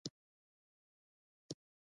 شولې له غوبل وروسته په اوبو کې اېښودل کیږي.